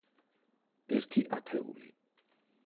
ერთი ათეული.